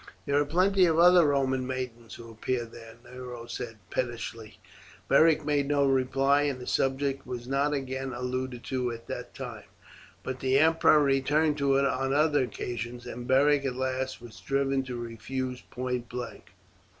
"There are plenty of other Roman maidens who appear there," Nero said pettishly. Beric made no reply, and the subject was not again alluded to at that time; but the emperor returned to it on other occasions, and Beric at last was driven to refuse point blank.